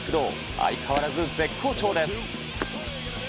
あいかわらず絶好調です。